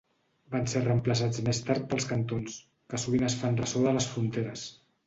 Van ser reemplaçats més tard pels cantons, que sovint es fan ressò de les fronteres.